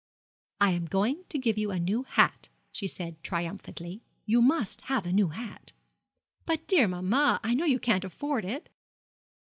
'I am going to give you a new hat,' she said, triumphantly. 'You must have a new hat.' 'But, dear mamma, I know you can't afford it.'